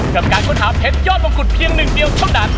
กับการค้นหาเพชรยอดมงกุฎเพียงหนึ่งเดียวเท่านั้น